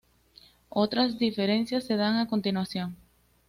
Otras diferencias se dan a continuación.